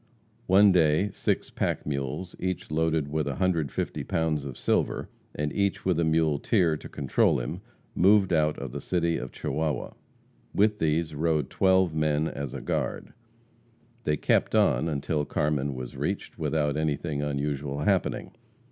One day, six pack mules, each loaded with 150 pounds of silver, and each with a muleteer to control him, moved out of the City of Chihuahua. With these rode twelve men as a guard. They kept on until Carmen was reached, without anything unusual happening.